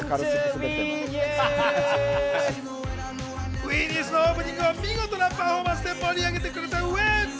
ＷＥニュースのオープニングを見事なパフォーマンスで盛り上げてくれたウエンツ。